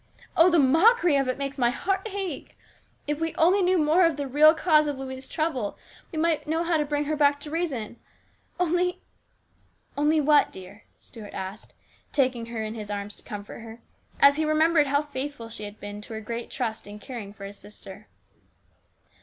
Oh, the mockery of it makes my heart ache ! If we only knew more of the real cause of Louise's trouble, we might know how to bring her back to reason ! Only " "Only what, dear?" Stuart asked, taking her in 294 HIS BROTHER'S KEEPER. his arms to comfort her, as he remembered how faithful she had been to her great trust in caring for his sister.